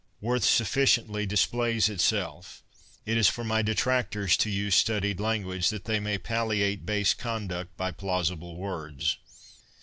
Worth sufficiently displays itself; it is for my detract ors to use studied language, that they may pal liate base conduct by plausible words.